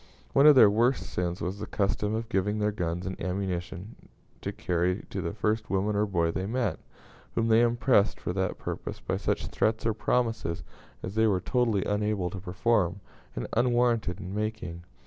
One of their worst sins was the custom of giving their guns and ammunition to carry to the first woman or boy they met, whom they impressed for that purpose by such threats or promises as they were totally unable to perform, and unwarranted in making.